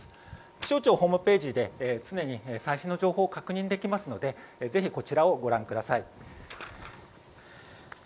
気象庁ホームページで常に最新の情報を確認できますのでぜひ、こちらをご覧ください。